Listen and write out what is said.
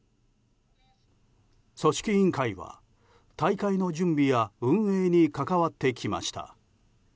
組織委員会は、大会の準備や運営に関わってきました。